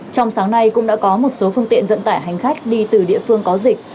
trong sáng nay cũng đã có một số phương tiện vận tải hành khách đi từ địa phương có dịch